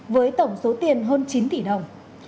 với tổng số tiền hơn chín tỷ đồng